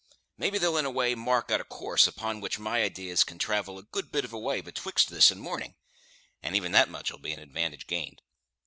Maybe they'll in a way mark out a course upon which my idees can travel a good bit of a way betwixt this and morning, and even that much'll be an advantage gained.